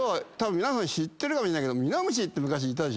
皆さん知ってるかもしれないけどミノムシって昔いたでしょ。